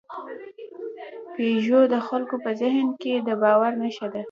پيژو د خلکو په ذهن کې د باور نښه ده.